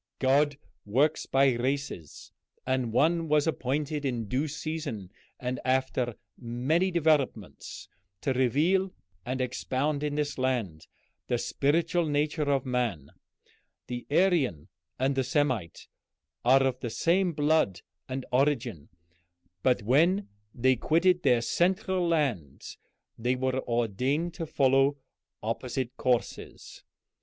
God works by races, and one was appointed in due season and after many developments to reveal and expound in this land the spiritual nature of man. The Aryan and the Semite are of the same blood and origin, but when they quitted their central land they were ordained to follow opposite courses.